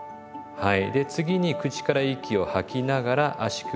はい。